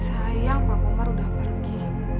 sayang pak komar sudah pergi